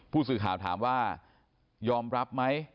ผู้สื่อข่าวถามว่ายอมรับไหม